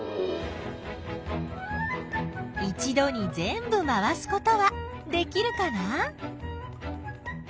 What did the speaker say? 一どにぜんぶまわすことはできるかな？